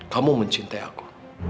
kamu mencintai aku